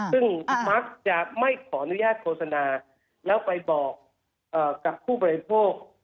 ซึ่งมักจะไม่ขออนุญาตโฆษณาแล้วไปบอกกับผู้บริโภค